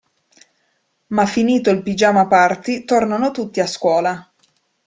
Ma finito il piagiama-party tornano tutti a scuola.